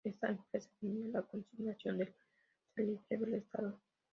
Esta empresa tenía la consignación del salitre del Estado.